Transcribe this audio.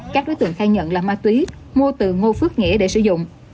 các đối tượng khai nhận là ma túy mua từ ngô phước nghĩa để sử dụng